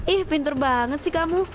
ih pinter banget sih kamu